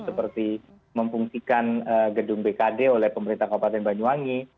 seperti memfungsikan gedung bkd oleh pemerintah kabupaten banyuwangi